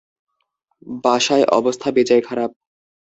বাসায় অবস্থা বেজায় খারাপ।